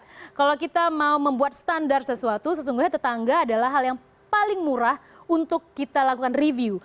kalau kita mau membuat standar sesuatu sesungguhnya tetangga adalah hal yang paling murah untuk kita lakukan review